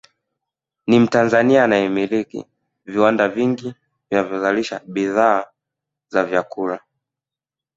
Ni Mtanzania anayemilki viwanda vingi vinavyozalisha bidhaa za vyakula